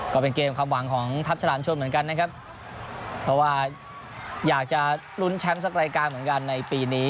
ก็เป็นเกมความหวังของทัพฉลามชนเหมือนกันนะครับเพราะว่าอยากจะลุ้นแชมป์สักรายการเหมือนกันในปีนี้